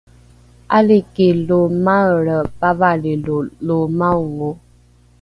’aliki lo maelre pavalrilo lo maongo